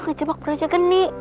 bukan cuma jebak brajageni